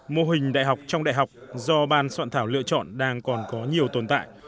mô hình đại học trong đại học do ban soạn thảo lựa chọn đang còn có nhiều tồn tại